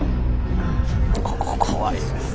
ここ怖いんです。